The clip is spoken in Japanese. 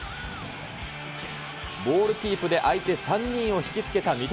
ボールキープで相手３人を引き付けた三笘。